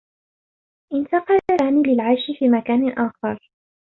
انتقل سامي للعيش في مكان آخر.